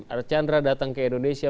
archandra datang ke indonesia